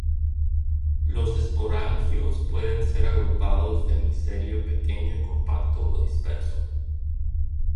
Los esporangios pueden ser agrupados de micelio pequeño y compacto o disperso.